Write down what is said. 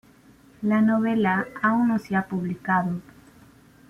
La novela aún no se ha publicado.